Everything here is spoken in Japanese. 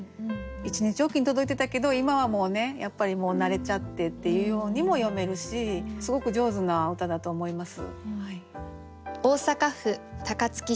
一日おきに届いてたけど今はもうやっぱり慣れちゃってっていうようにも読めるしすごく上手な歌だと思います。